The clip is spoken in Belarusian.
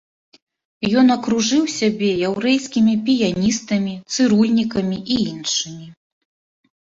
Ён акружыў сябе яўрэйскімі піяністамі, цырульнікамі і іншымі.